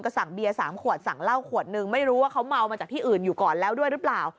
สั่งเบียร์๓ขวดสั่งเหล้าขวดนึงไม่รู้ว่าเขาเมามาจากที่อื่นอยู่ก่อนแล้วด้วยหรือเปล่า